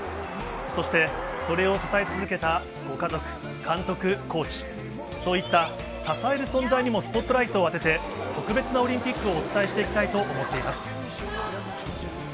そしてそれを支え続けたご家族、監督、コーチ、そういった支える存在にもスポットライトを当てて、特別なオリンピックをお伝えしていきたいと思っています。